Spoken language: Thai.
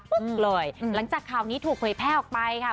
เลยหลังจากข่าวนี้ถูกเผยแพร่ออกไปค่ะ